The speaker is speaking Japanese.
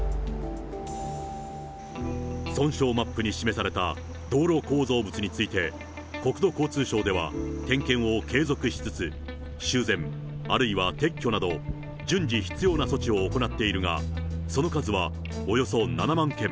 損傷マップに示された道路構造物について、国土交通省では点検を継続しつつ、修繕、あるいは撤去など、順次、必要な措置を行っているが、その数はおよそ７万件。